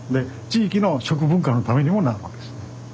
地域の食文化のためにもなるわけです。